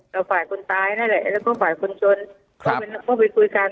เราฝ่ายคนตายนั่นแหละก็ฝ่ายคนชนครับเขาฟังไปคุยกัน